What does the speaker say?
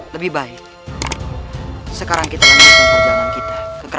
lebih baik sekarang kita langsung ke perjalanan kita ke kerajaan puspanegara